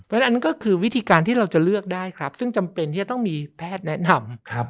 เพราะฉะนั้นก็คือวิธีการที่เราจะเลือกได้ครับซึ่งจำเป็นที่จะต้องมีแพทย์แนะนำ